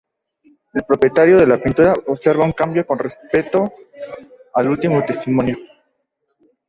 El propietario de la pintura observa un cambio con respecto al último testimonio.